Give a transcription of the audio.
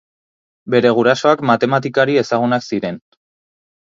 Bere gurasoak matematikari ezagunak ziren.